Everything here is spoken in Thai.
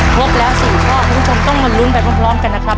พวกแล้ว๔ข้อทุกชนต้องมาลุ้นไปพร้อมกันนะครับ